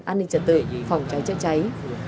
an ninh trật tự phòng trái chết cháy